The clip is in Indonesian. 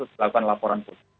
untuk melakukan laporan